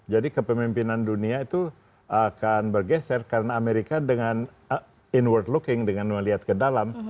jadi kepemimpinan dunia itu akan bergeser karena amerika dengan inward looking dengan melihat ke dalam